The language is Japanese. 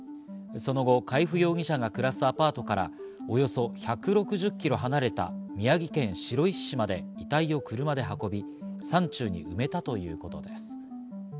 その後、海部容疑者が暮らすアパートからおよそ１６０キロ離れた宮城県白石市まで遺体を車で運び、山中に埋めたということです。